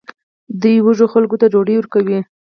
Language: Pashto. دوی وږو خلکو ته ډوډۍ ورکوي.